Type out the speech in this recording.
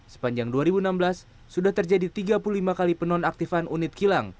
sepanjang dua ribu enam belas sudah terjadi tiga puluh lima kali penonaktifan unit kilang